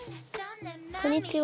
こんにちは。